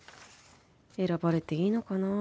選ばれていいのかなあ？